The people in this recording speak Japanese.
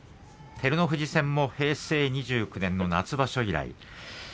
照ノ富士戦も平成２９年の夏場所以来。